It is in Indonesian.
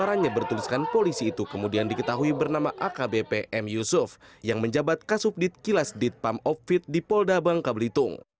orangnya bertuliskan polisi itu kemudian diketahui bernama akbp m yusuf yang menjabat kasubdit kilas ditpam opfit di polda bangka belitung